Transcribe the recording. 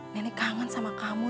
nenek kangen sama kamu